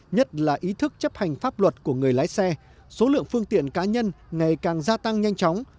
nhất là ý thức chấp hành pháp luật của người lái xe số lượng phương tiện cá nhân ngày càng gia tăng nhanh chóng